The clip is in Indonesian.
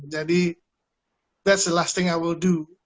jadi itu yang terakhir yang akan saya lakukan